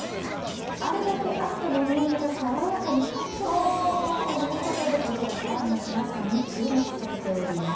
あれだけあったもみあげがさわやかにカットされているということでこちらファンの皆さんに注目されております。